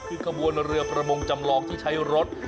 คือขบวนเรือประมงจำลองที่ใช้รถ